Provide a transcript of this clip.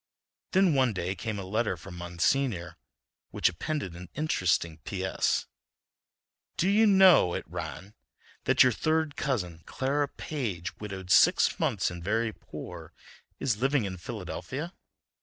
Then one day came a letter from Monsignor, which appended an interesting P. S.: "Do you know," it ran, "that your third cousin, Clara Page, widowed six months and very poor, is living in Philadelphia?